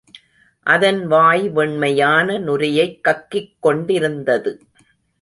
அதன் வாய் வெண்மையான நுரையைக் கக்கிக் கொண்டிருந்தது.